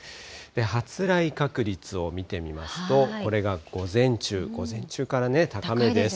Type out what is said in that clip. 発雷確率を見てみますと、これが午前中、午前中から高めです。